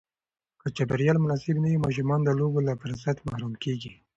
که چاپېریال مناسب نه وي، ماشومان د لوبو له فرصت محروم کېږي.